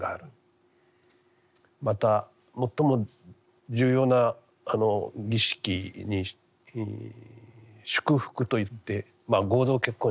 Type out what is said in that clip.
また最も重要な儀式に祝福といって合同結婚式ですね。